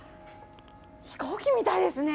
飛行機みたいですね。